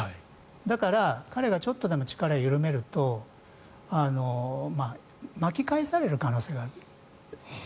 だから彼がちょっとでも力を緩めると巻き返される可能性がある。